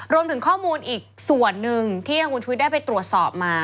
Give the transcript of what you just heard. รวมถึงข้อมูลอีกส่วนหนึ่งที่ทางคุณชุวิตได้ไปตรวจสอบมา